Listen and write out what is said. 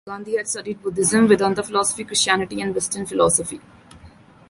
Gandhi had studied Buddhism, Vedanta Philosophy, Christianity, and western philosophy.